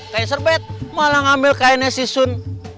taser bad malah ngambil kainnya season